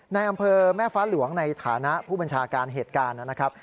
ในอำเภอแม่ฟ้าหลวงในฐานะผู้บัญชาการเหตุการณ์นะครับ